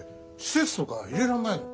施設とか入れられないの？